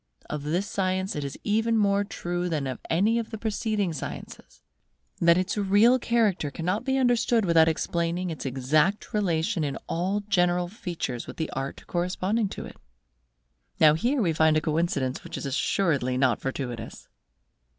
Of this science it is even more true than of any of the preceding sciences, that its real character cannot be understood without explaining its exact relation in all general features with the art corresponding to it. Now here we find a coincidence which is assuredly not fortuitous.